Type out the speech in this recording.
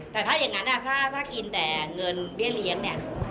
แต่ถ้าอย่างนั้นถ้ากินแต่เงินเบี้ยเลี้ยงเนี่ย